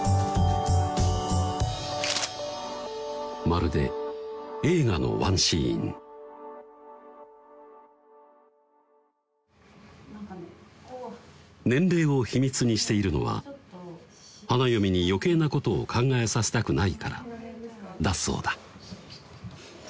まるで映画のワンシーン年齢を秘密にしているのは花嫁に余計なことを考えさせたくないからだそうだ